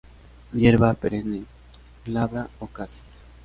Hierba perenne, glabra o casi.